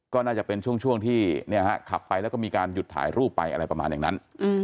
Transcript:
ก็น่าจะเป็นช่วงที่ขับไปแล้วก็มีการหยุดถ่ายรูปไปอะไรประมาณอย่างนั้น